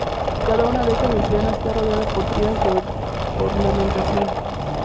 Cada una de estas escenas está rodeada por tiras de ornamentación.